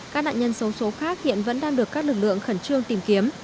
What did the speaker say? các nạn nhân xấu số khác hiện vẫn đang được các lực lượng khẩn trương tìm kiếm